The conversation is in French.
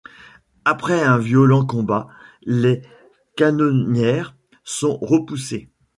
Après un violent combat, les canonnières sont repoussées.